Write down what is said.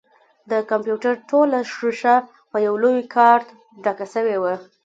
د کمپيوټر ټوله ښيښه په يوه لوى کارت ډکه سوې وه.